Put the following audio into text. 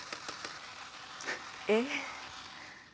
えっ？